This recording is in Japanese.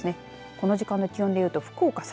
この時間の気温でいうと福岡